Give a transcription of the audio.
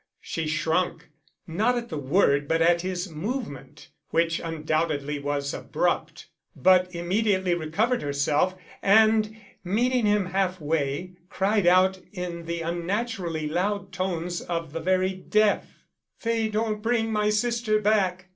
She shrunk, not at the word but at his movement, which undoubtedly was abrupt; but immediately recovered herself and, meeting him half way, cried out in the unnaturally loud tones of the very deaf: "They don't bring my sister back.